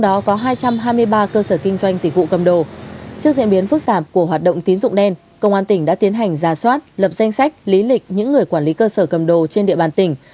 trước diễn biến phức tạp của hoạt động tín dụng đen công an tỉnh đã tiến hành ra soát lập danh sách lý lịch những người quản lý cơ sở cầm đồ trên địa bàn tỉnh